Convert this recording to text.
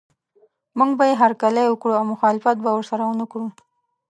موږ به یې هرکلی وکړو او مخالفت به ورسره ونه کړو.